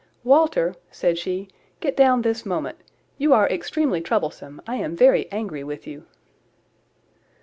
"Walter," said she, "get down this moment. You are extremely troublesome. I am very angry with you."